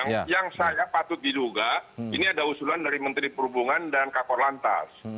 nah yang saya patut diduga ini ada usulan dari menteri perhubungan dan kakor lantas